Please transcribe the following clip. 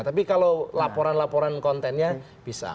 tapi kalau laporan laporan kontennya bisa